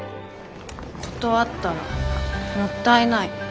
「断ったら『もったいない。